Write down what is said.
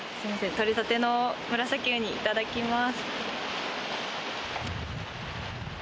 取れたてのムラサキウニいただきます。